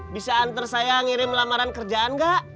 bisa antar saya ngirim lamaran kerjaan gak